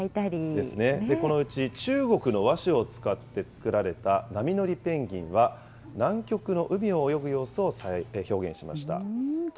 ですね、このうち、中国の和紙を使って作られた波乗りペンギンは、南極の海を泳ぐ様子を表現しました。